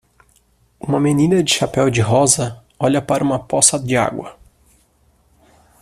Uma menina de chapéu-de-rosa olha para uma poça de água.